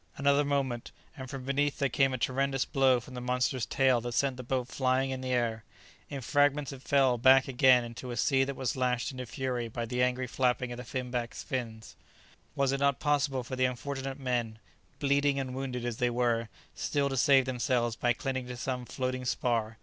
Another moment, and from beneath there came a tremendous blow from the monster's tail that sent the boat flying in the air. In fragments it fell back again into a sea that was lashed into fury by the angry flapping of the finback's fins. Was it not possible for the unfortunate men, bleeding and wounded as they were, still to save themselves by clinging to some floating spar?